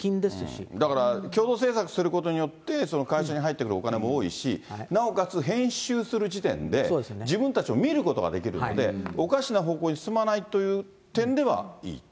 だから、共同制作することによって、会社に入ってくるお金も多いし、なおかつ編集する時点で、自分たちも見ることができるので、おかしな方向に進まないという点ではいい。